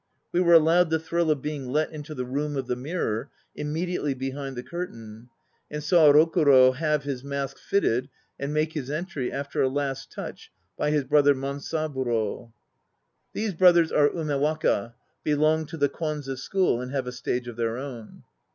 We were allowed the thrill of being let into the room of the mirror, im mediately behind the curtain, and saw Rokuro have his mask fitted and make his entry after a last touch by his brother Mansaburo. These brothers are Umewaka, belong to the Kwanze School, and have a stage of their own.